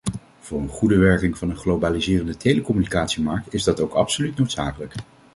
Voor een goede werking van een globaliserende telecommunicatiemarkt is dat ook absoluut noodzakelijk.